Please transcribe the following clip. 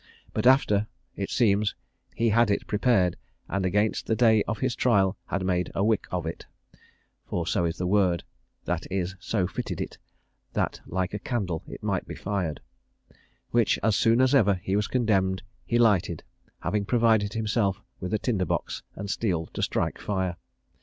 But after, it seems, he had it prepared, and against the day of his trial had made a wick of it, (for so is the word, that is, so fitted it that like a candle, it might be fired,) which as soon as ever he was condemned he lighted, having provided himself with a tinder box and steel to strike fire.